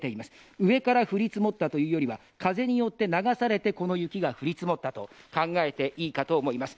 上から降り積もったというよりは風によって流されてこの雪が降り積もったと考えていいかと思います。